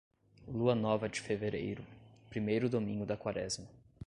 Lua nova de fevereiro, primeiro domingo da Quaresma.